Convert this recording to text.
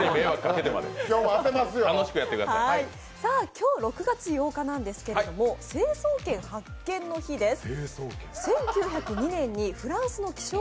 今日６月８日なんですけれども、成層圏発見の日です。